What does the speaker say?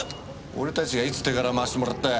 俺たちがいつ手柄回してもらったよ？